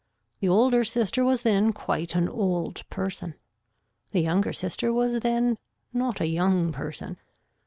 The older sister was then quite an old person. The younger sister was then not a young person.